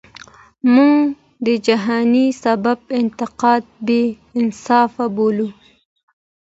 مونږ د جهانی سیب انتقاد بی انصافه بولو.